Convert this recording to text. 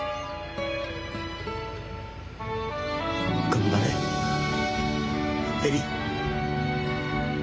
頑張れ恵里